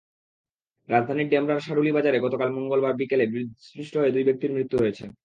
রাজধানীর ডেমরার সারুলি বাজারে গতকাল মঙ্গলবার বিকেলে বিদ্যুৎস্পৃষ্ট হয়ে দুই ব্যক্তির মৃত্যু হয়েছে।